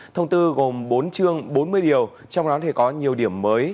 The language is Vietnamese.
thông tư gồm bốn chương bốn mươi điều trong đó thì có nhiều điểm mới